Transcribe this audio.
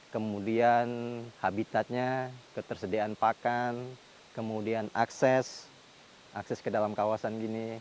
kemudian habitatnya ketersediaan pakan kemudian akses akses ke dalam kawasan gini